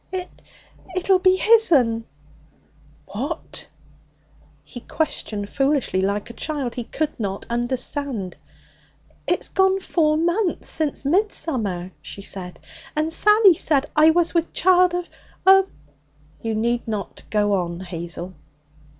'It it'll be his'n.' 'What?' He questioned foolishly, like a child. He could not understand. 'It's gone four month since midsummer,' she said, 'and Sally said I was wi' child of of ' 'You need not go on, Hazel.'